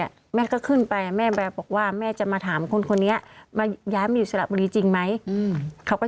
แม่ก็ขึ้นไปแม่แบบบอกว่าแม่จะมาถามคนคนนี้มาย้ายมาอยู่สระบุรีจริงไหมอืมเขาก็